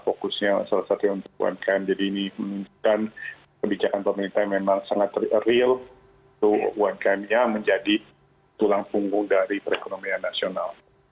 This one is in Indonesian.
jadi ini menunjukkan kebijakan pemerintah yang memang sangat real untuk umkm yang menjadi tulang punggung dari perekonomian nasional